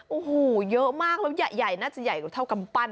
โอ้โหเยอะมากแล้วใหญ่น่าจะใหญ่กว่าเท่ากำปั้น